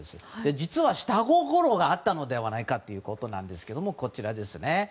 実は下心があったのではないかということですが、こちら。